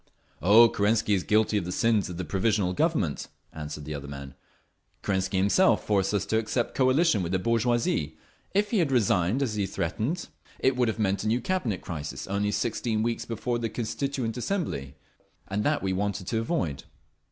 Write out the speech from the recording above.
"Oh, Kerensky is guilty of the sins of the Provisional Government," answered the other man. "Kerensky himself forced us to accept coalition with the bourgeoisie. If he had resigned, as he threatened, it would have meant a new Cabinet crisis only sixteen weeks before the Constituent Assembly, and that we wanted to avoid."